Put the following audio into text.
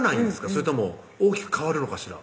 それとも大きく変わるのかしら？